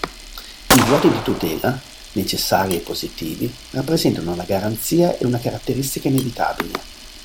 I vuoti di tutela, necessari e positivi, rappresentano una garanzia e una caratteristica inevitabile.